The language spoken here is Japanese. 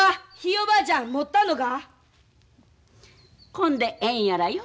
こんでええんやらよ？